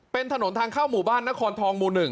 เป็นถนนทางเข้าหมู่บ้านนครทองหมู่๑